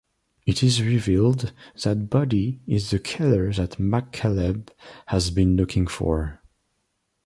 It is revealed that Buddy is the killer that McCaleb has been looking for.